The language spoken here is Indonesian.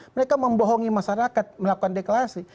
mereka membohongi masyarakat melakukan deklarasi